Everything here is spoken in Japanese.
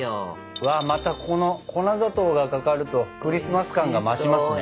うわまたこの粉砂糖がかかるとクリスマス感が増しますね。